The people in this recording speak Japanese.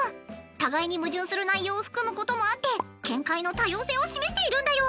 互いに矛盾する内容を含むこともあって見解の多様性を示しているんだよ。